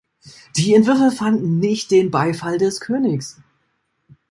Die Entwürfe fanden nicht den Beifall des Königs.